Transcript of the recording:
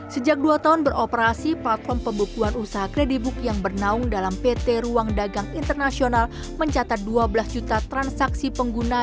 sejak dua tahun beroperasi platform pembukuan usaha kredibook yang bernaung dalam pt ruang dagang internasional mencatat dua belas juta transaksi pengguna